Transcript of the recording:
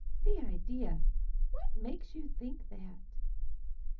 The idea! What makes you think that?"